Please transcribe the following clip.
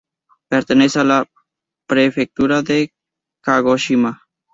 Pertenece a la prefectura de Kagoshima.